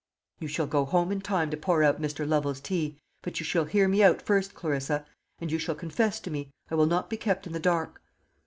"You shall go home in time to pour out Mr. Lovel's tea; but you shall hear me out first, Clarissa, and you shall confess to me. I will not be kept in the dark."